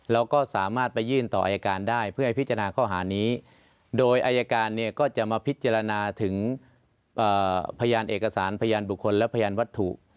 แล้วก็สามารถไปยื่นต่ออายการได้เพื่อให้พิจารณาข้อหานี้โดยอายการเนี่ยก็จะมาพิจารณาถึงพยานเอกสารพยานบุคคลและพยานวัตถุ